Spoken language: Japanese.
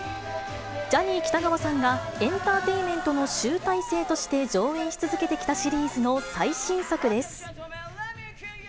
ジャニー喜多川さんがエンターテインメントの集大成として上演し続けてきたシリーズの最新作です。